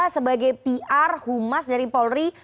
sebagai pr humas dari polri